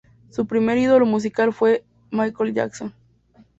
Su primer ídolo musical fue Michael Jackson.